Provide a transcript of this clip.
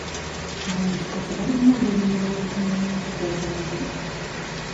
Abantu kati balina obulimiro obutono mu nzigya zaabwe.